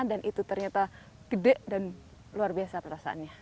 dan itu ternyata besar dan luar biasa perasaannya